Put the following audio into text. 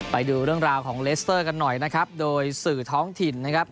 ไปดูเรื่องราวของเรสเตอร์กันหน่อยโดยสื่อท้องถิ่น